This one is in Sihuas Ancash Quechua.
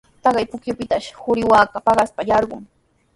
Taqay pukyupitashi quri waaka paqaspa yarqamun.